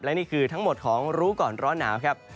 นี่คือทั้งหมดของรู้ก่อนร้อนหนาวครับ